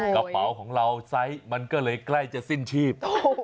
กระเป๋าของเราไซส์มันก็เลยใกล้จะสิ้นชีพ